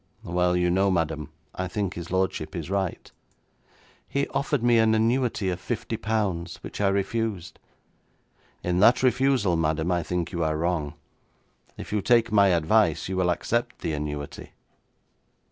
'Well, you know, madam, I think his lordship is right.' 'He offered me an annuity of fifty pounds, which I refused.' 'In that refusal, madam, I think you are wrong. If you take my advice, you will accept the annuity.'